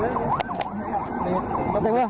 เมื่อเวลาเมื่อเวลาเมื่อเวลาเมื่อเวลา